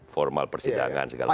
formal persidangan segala macam